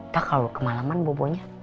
kak kalau kemalaman bobo nya